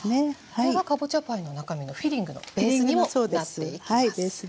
これがかぼちゃパイの中身のフィリングのベースにもなっていきます。